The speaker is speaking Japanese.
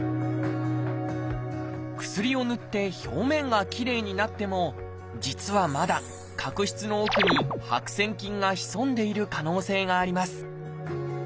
薬をぬって表面がきれいになっても実はまだ角質の奥に白癬菌が潜んでいる可能性があります。